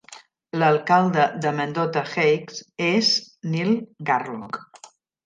L'alcalde de Mendota Heights és Neil Garlock.